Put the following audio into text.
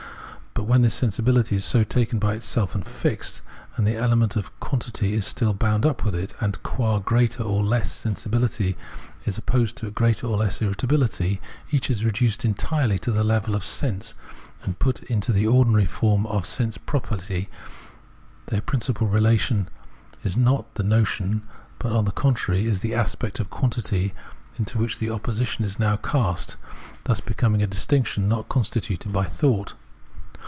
But when this sensibiUty is so taken by itself and fixed, and the element of quantity is still bound up with it, and qua greater or less sensibility is opposed to a greater or less irritabihty, each is reduced entirely to the level of sense, and put into the ordinary form of a sense property ; their principle of relation is not the notion, but, on the contrary, it is the aspect of quantity into which the opposition is now cast, thus becoming a distinction not constituted by thought.